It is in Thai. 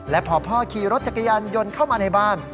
และพอพ่อขี่รถจักรยานยนต์เข้ามาในบ้าน